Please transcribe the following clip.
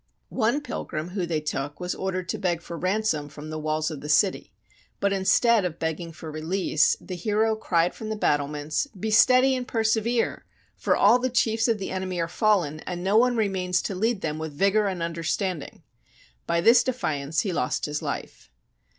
One pilgrim whom they took was ordered to beg for ransom from the walls of the city, but instead of begging for release, the hero cried from the battlements, " Be steady and persevere, for all the chiefs of the enemy are fallen, and no one remains to lead them with vigour and understanding! " By this defiance he lost his life.